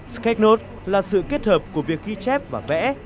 scanov là sự kết hợp của việc ghi chép và vẽ